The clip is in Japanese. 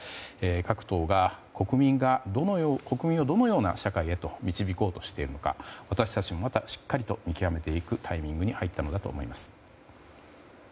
各党が国民をどのような社会へと導こうとしているのか私たちもまたしっかりと見極めていくタイミングに入ったのだと思います。